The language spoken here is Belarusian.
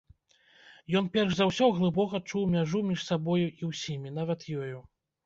Ён перш за ўсё глыбока чуў мяжу між сабою і ўсімі, нават ёю.